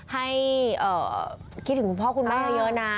ให้คิดถึงพ่อคุณมากเยอะนะ